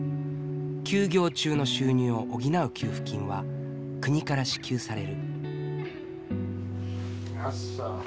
休業中の収入を補う給付金は国から支給される。